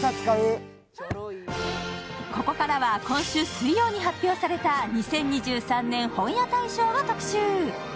ここからは今週水曜に発表された２０２３年本屋大賞を特集。